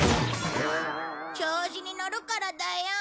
調子にのるからだよ。